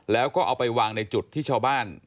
แล้วก็เอาไปวางในจุดที่ชาวบ้าน